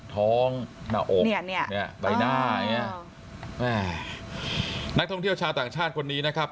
ท้องหน้าอกใบหน้านักท่องเที่ยวชาติต่างชาติคนนี้นะครับ